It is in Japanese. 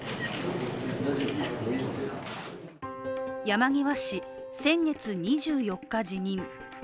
山際氏、先月２４日辞任。